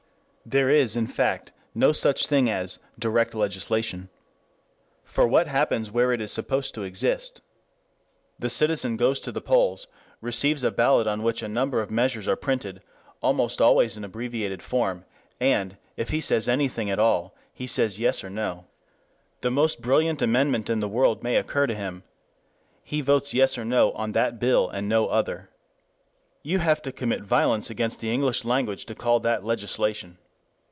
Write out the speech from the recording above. There is, in fact, no such thing as "direct legislation." For what happens where it is supposed to exist? The citizen goes to the polls, receives a ballot on which a number of measures are printed, almost always in abbreviated form, and, if he says anything at all, he says Yes or No. The most brilliant amendment in the world may occur to him. He votes Yes or No on that bill and no other. You have to commit violence against the English language to call that legislation.